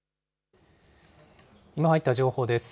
今入った情報です。